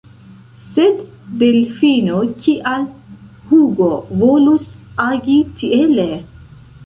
Sed, Delfino, kial Hugo volus agi tiele?